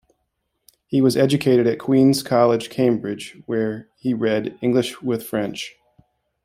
He was educated at Queens' College, Cambridge where he read English with French.